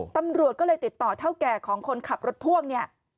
ตำรวจก็เลยติดต่อเท่าแก่ของคนขับรถพ่วงเนี่ย